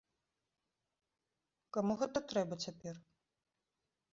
Каму гэта трэба цяпер?